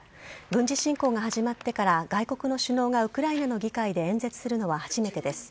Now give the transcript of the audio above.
軍事侵攻が始まってから外国の首脳がウクライナの議会で演説するのは初めてです。